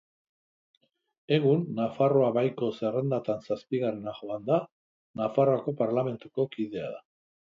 Egun, Nafarroa Baiko zerrendetan zazpigarrena joanda, Nafarroako Parlamentuko kidea da.